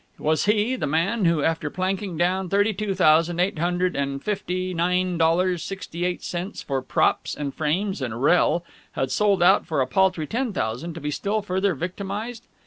Was he, the man who, after planking down thirty two thousand eight hundred and fifty, nine dollars, sixty eight cents for "props" and "frames" and "rehl," had sold out for a paltry ten thousand, to be still further victimized?